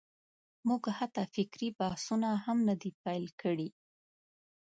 موږ حتی فکري بحثونه هم نه دي پېل کړي.